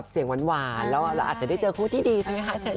เสียงแปดเลยค่ะ